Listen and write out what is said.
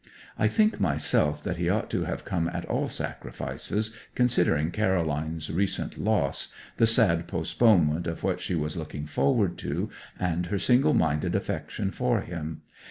I think myself that he ought to have come at all sacrifices, considering Caroline's recent loss, the sad postponement of what she was looking forward to, and her single minded affection for him.